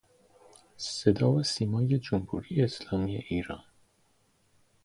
صدا و سیمای جمهوری اسلامی ایران.